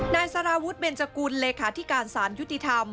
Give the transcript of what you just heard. นายสารวุฒิเบนจกุลเลขาธิการสารยุติธรรม